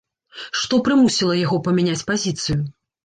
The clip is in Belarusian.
Што прымусіла яго памяняць пазіцыю?